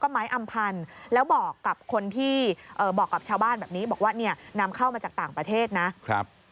ไม้อำพันธ์แล้วบอกกับคนที่บอกกับชาวบ้านแบบนี้บอกว่าเนี่ยนำเข้ามาจากต่างประเทศนะครับ